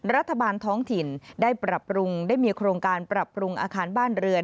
รัฐบาลท้องถิ่นได้ปรับปรุงได้มีโครงการปรับปรุงอาคารบ้านเรือน